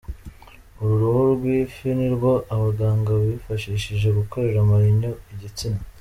Uru ruhu rw’ifi nirwo abaganga bifashishije bakorera Marinho igitsina .